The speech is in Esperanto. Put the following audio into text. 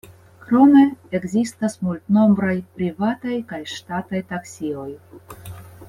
Krome ekzistas multnombraj privataj kaj ŝtataj taksioj.